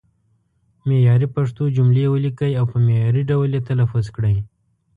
معیاري پښتو جملې ولیکئ او په معیاري ډول یې تلفظ کړئ.